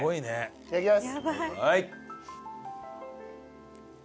いただきます。